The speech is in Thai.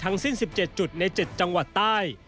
ทั้งสิบเจ็ดจุดใน๗จังหวัดใต้